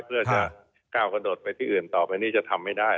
เพื่อจะก้าวกระโดดไปที่อื่นต่อไปนี่จะทำไม่ได้